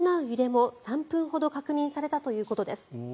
噴火に伴う揺れも３分ほど確認されたということです。